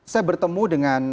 saya bertemu dengan